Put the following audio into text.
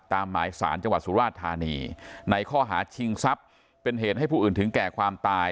หมายสารจังหวัดสุราชธานีในข้อหาชิงทรัพย์เป็นเหตุให้ผู้อื่นถึงแก่ความตาย